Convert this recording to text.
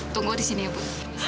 tunggu disini ya bu